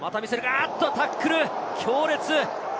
おっとタックル、強烈。